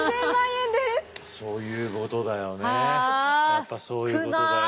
やっぱそういうことだよ。